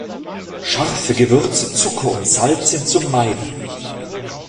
Scharfe Gewürze, Zucker und Salz sind zu meiden.